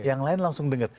yang lain langsung denger